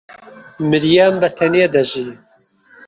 مریەم بەتەنێ دەژی.